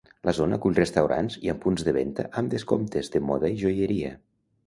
La zona acull restaurants i punts de venda amb descomptes, de moda i joieria.